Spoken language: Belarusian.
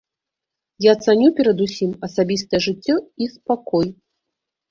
Я цаню перадусім асабістае жыццё і спакой.